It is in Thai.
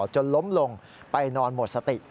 จนล้มลงไปนอนหมดสติ